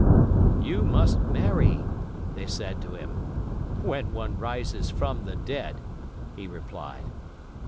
"You must marry," they said to him. "When one rises from the dead," he replied.